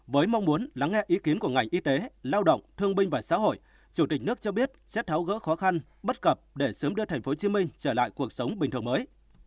với mong muốn lắng nghe ý kiến của ngành y tế lao động thương binh và xã hội chủ tịch nước cho biết sẽ tháo gỡ khó khăn bắt cập để sớm đưa thành phố hồ chí minh trở lại cuộc sống bình thường mới